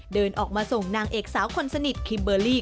เดินออกมาส่งนางเอกสาวคนสนิทคิมเบอร์รี่